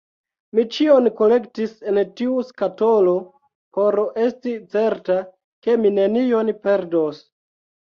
Mi ĉion kolektis en tiu skatolo por esti certa, ke mi nenion perdos.